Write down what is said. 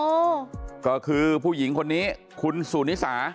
โอ้โหก็คือผู้หญิงคนนี้คุณสุนิสา